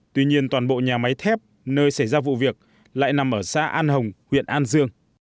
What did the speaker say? tuy nhiên toàn bộ nhà máy thép nơi xảy ra vụ việc lại nằm ở xã an hồng huyện an dương